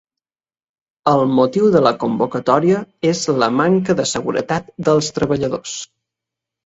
El motiu de la convocatòria és la manca de seguretat dels treballadors